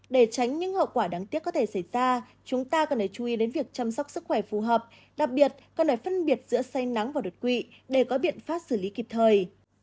để tránh những hậu quả đáng tiếc có thể xảy ra chúng ta cần phải chú ý đến việc chăm sóc sức khỏe phù hợp đặc biệt cần phải phân biệt giữa say nắng và đột quỵ để có biện pháp xử lý kịp thời